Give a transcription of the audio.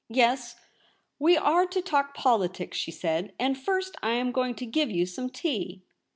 ' Yes, we are to talk politics,' she said ; 'and first I am going to give you some tea.'